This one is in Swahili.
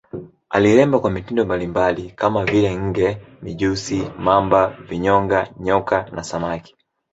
Aliremba kwa mitindo mbalimbali kama vile nge, mijusi, mamba, vinyonga, nyoka na samaki.